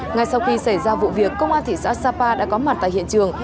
ngay sau khi xảy ra vụ việc công an thị xã sapa đã có mặt tại hiện trường